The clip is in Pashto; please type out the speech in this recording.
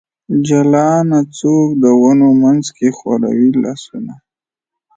جلانه ! څوک د ونو منځ کې خوروي لاسونه ؟